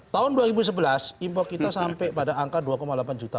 tahun dua ribu sebelas impor kita sampai pada angka dua delapan juta